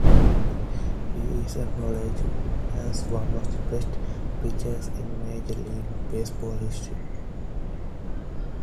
He is acknowledged as one of the best pitchers in Major League Baseball history.